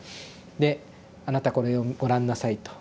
で「あなたこれをご覧なさい」と。